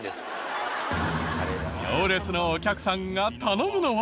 行列のお客さんが頼むのは。